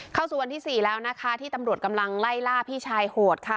เข้าสู่วันที่๔แล้วนะคะที่ตำรวจกำลังไล่ล่าพี่ชายโหดค่ะ